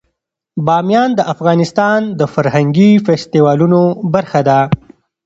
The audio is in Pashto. بامیان د افغانستان د فرهنګي فستیوالونو برخه ده.